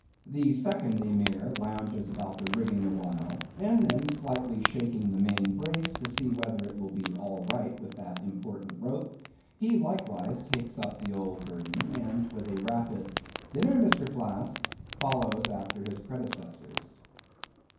The second Emir lounges about the rigging awhile, and then slightly shaking the main brace, to see whether it will be all right with that important rope, he likewise takes up the old burden, and with a rapid "Dinner, Mr. Flask," follows after his predecessors.